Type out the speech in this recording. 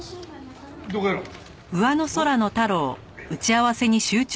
どこやろう？